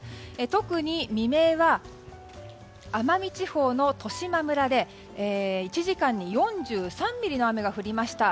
特に未明は奄美地方の十島村で１時間に４３ミリの雨が降りました。